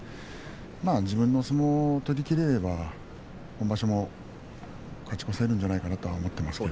自分の相撲を取りきれれば今場所も勝ち越せるんじゃないかと思います。